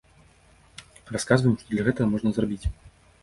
Расказваем, што для гэтага можна зрабіць.